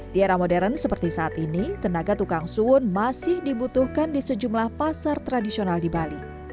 di era modern seperti saat ini tenaga tukang sun masih dibutuhkan di sejumlah pasar tradisional di bali